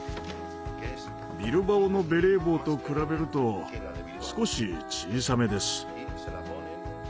ビルバオのベレー帽と比べると少し小さめです。